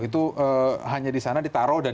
itu hanya di sana ditaruh dan